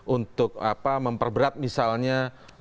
untuk memperberat misalnya